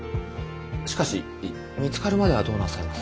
しかし見つかるまではどうなさいます。